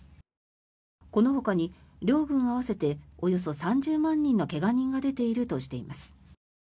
このほかに両軍合わせておよそ３０万人の怪我人が出ているとしています。